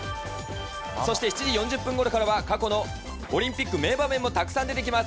そして、７時４０分ごろからは、過去のオリンピック名場面もたくさん出てきます。